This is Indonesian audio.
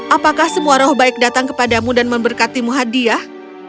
apakah semua roh baik datang kepadamu dan memberkatimu hadiah